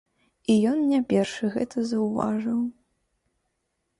І ён не першы гэта заўважыў.